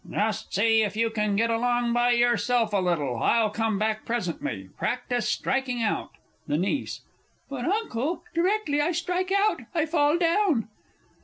Just see if you can get along by yourself a little I'll come back presently. Practise striking out. THE NIECE. But, Uncle, directly I strike out, I fall down!